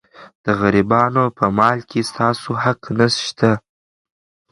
د غریبانو په مال کې ستاسو حق نشته.